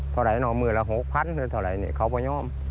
เท่าไหร่หนึ่งหมื่นหลัก๖๐๐๐หรือเท่าไหร่นี่เขาประโยค